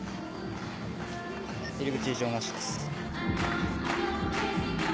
入り口異常なしです。